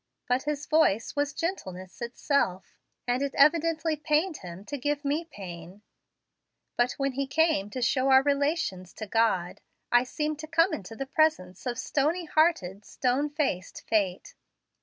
But his voice was gentleness itself, and it evidently pained him to give me pain; but when he came to show our relations to God, I seemed to come into the presence of stony hearted, stony faced fate.